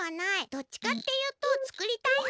どっちかっていうとつくりたいは！